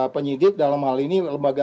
penyidik dalam hal ini lembaga